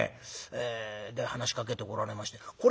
で話しかけてこられましてこれがね